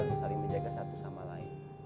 untuk saling menjaga satu sama lain